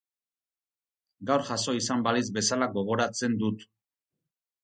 Gaur jazo izan balitz bezala gogoratzen dut.